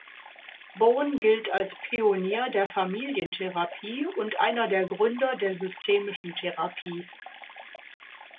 Bowen gilt als Pionier der Familientherapie und einer der Gründer der Systemischen Therapie.